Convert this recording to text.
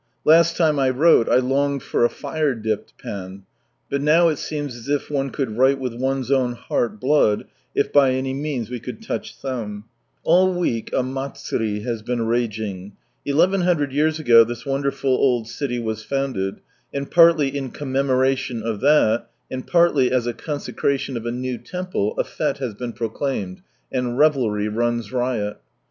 Last time I wrote, I longed for a fire dipped pen, but now it seems as it one could write with one's own heart blood, if by any means we could touch some. All week a " Matsurie " has been raging. Eleven hundred years ago this wonderful old city was founded, and partly in commemoration of that, and partly as a consecration of a new temple, a fete has been proclaimed, and revelry runs riot.